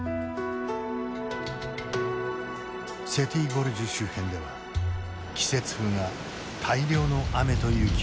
セティ・ゴルジュ周辺では季節風が大量の雨と雪をもたらす。